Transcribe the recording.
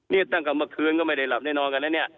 นี่ตั้งแต่เมื่อคืนก็ไม่ได้หลับได้นอนกันแล้วเนี่ย